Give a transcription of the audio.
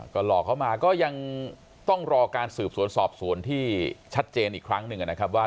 ก็หลอกเขามาก็ยังต้องรอการสืบสวนสอบสวนที่ชัดเจนอีกครั้งหนึ่งนะครับว่า